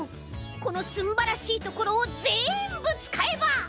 このすんばらしいところをぜんぶつかえば。